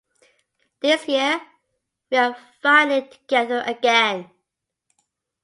This year we are finally together again.